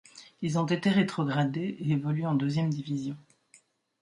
Ils ont été rétrogradés et évoluent en deuxième division.